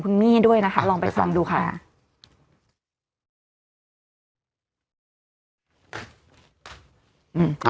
คุณมี่ด้วยนะคะลองไปฟังดูค่ะ